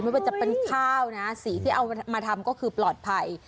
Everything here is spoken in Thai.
ไม่ว่าจะเป็นข้าวนะสีที่เอามาทำก็คือปลอดภัย